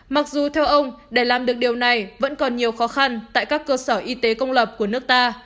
mặc dù theo ông để làm được điều này vẫn còn nhiều khó khăn tại các cơ sở y tế công lập của nước ta